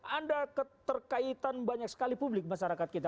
ada keterkaitan banyak sekali publik masyarakat kita